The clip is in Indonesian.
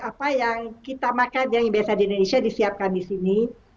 apa yang kita makan yang biasa di indonesia disiapkan di sini